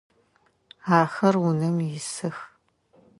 Ахэр унэм исых.